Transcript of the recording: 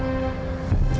ayo cepetan menurutku